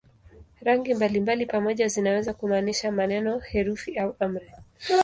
Rangi mbalimbali pamoja zinaweza kumaanisha maneno, herufi au amri.